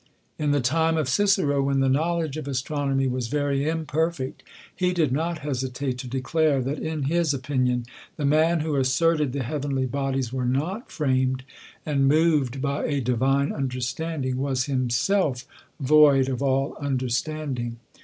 In the time of Cicero, when the knowledge of astronomy was very im perfect, he did not hesitate to declare, that in his opin ion the man who asserted the heavenly bodies were not framed and moved by a divine understanding, was him self THE COLUMBIAN ORATOR. 201 self void of all understanding.